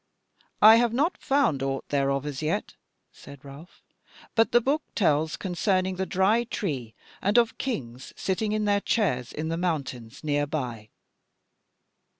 "I have not found aught thereof as yet," said Ralph; "but the book tells concerning the Dry Tree, and of kings sitting in their chairs in the mountains nearby."